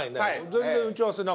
全然打ち合わせなかった。